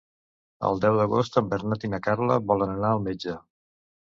El deu d'agost en Bernat i na Carla volen anar al metge.